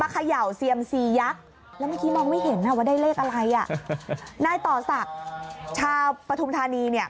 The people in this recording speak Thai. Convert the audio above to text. เขย่าเซียมซียักษ์แล้วเมื่อกี้มองไม่เห็นอ่ะว่าได้เลขอะไรอ่ะนายต่อศักดิ์ชาวปฐุมธานีเนี่ย